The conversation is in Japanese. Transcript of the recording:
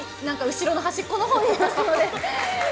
後ろの端っこのほうにいますので。